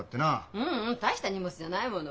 ううん大した荷物じゃないもの。